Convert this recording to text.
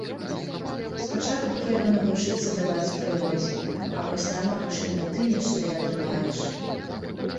Спачатку трэба навучыцца даваць прыродзе, а пасля, магчыма, ты нешта і атрымаеш.